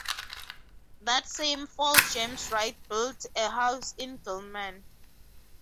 That same fall James Wright built a house in Gilman.